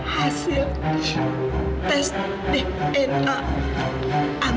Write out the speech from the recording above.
hasil tes dna ambar dan evita